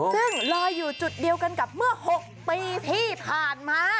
ซึ่งลอยอยู่จุดเดียวกันกับเมื่อ๖ปีที่ผ่านมา